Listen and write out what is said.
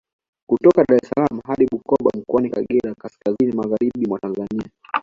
Kutoka Dar es salaam hadi Bukoba Mkoani Kagera kaskazini Magharibi mwa Tanzania